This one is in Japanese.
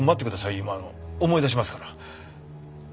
今思い出しますから。